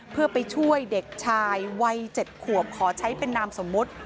เพื่อไปช่วยเด็กชายวัย๗ขวบขอใช้เป็นนามสมมุติ